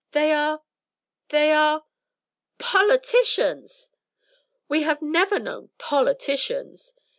They are they are politicians. We never have known politicians.